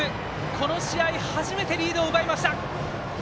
この試合、初めてリードを奪いました。